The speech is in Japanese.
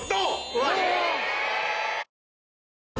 うわ！